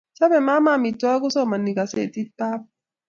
Chope mama amitwogik kosomani kasetit papa.